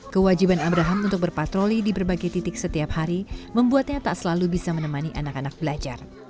kewajiban abraham untuk berpatroli di berbagai titik setiap hari membuatnya tak selalu bisa menemani anak anak belajar